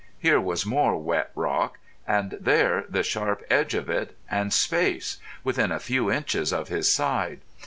Here was more wet rock—and there the sharp edge of it—and space—within a few inches of his side.